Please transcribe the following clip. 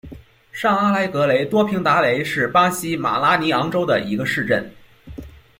上阿莱格雷多平达雷是巴西马拉尼昂州的一个市镇。